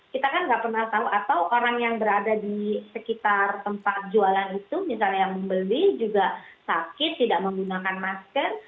kita kan nggak pernah tahu atau orang yang berada di sekitar tempat jualan itu misalnya yang membeli juga sakit tidak menggunakan masker